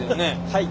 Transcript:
はい。